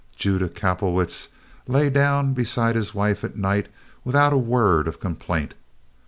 Judah Kapelowitz lay down beside his wife at night without a word of complaint.